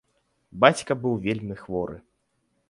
Бацька быў вельмі хворы.